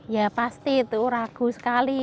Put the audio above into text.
ya pasti itu ragu sekali